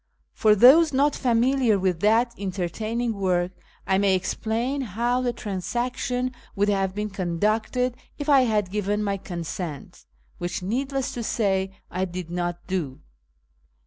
For those not familiar with that entertaining work, I may explain how the transaction would have been conducted if I had given my consent (which, needless to say, I did not do).